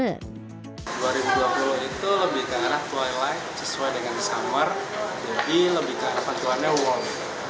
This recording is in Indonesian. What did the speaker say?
dua ribu dua puluh itu lebih ke arah twilight sesuai dengan summer jadi lebih ke ketentuannya war